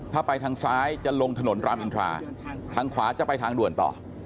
ถ้าไปทางซ้ายจะลงถนนรามอินทราทางขวาจะไปทางด่วนต่อ